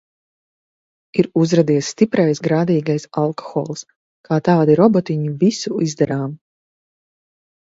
Ir uzradies stiprais grādīgais alkohols. Kā tādi robotiņi visu izdarām.